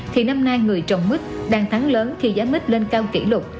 thì năm nay người trồng mít đang thắng lớn khi giá mít lên cao kỷ lục